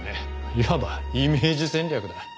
いわばイメージ戦略だ。